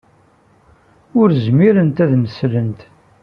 Ur zmirent ad am-slent.